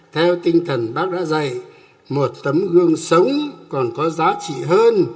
theo tinh thần bác đã dạy một tấm gương sống còn có giá trị hơn